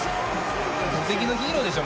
茂木のヒーローでしょ！